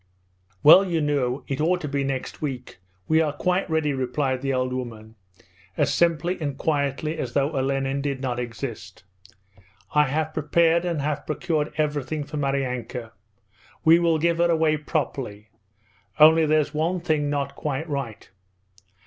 'Well, you know, it ought to be next week. We are quite ready,' replied the old woman, as simply and quietly as though Olenin did not exist. 'I have prepared and have procured everything for Maryanka. We will give her away properly. Only there's one thing not quite right.